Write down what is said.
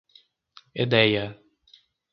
Edéia